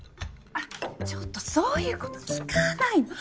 ちょっとそういうこと聞かないの。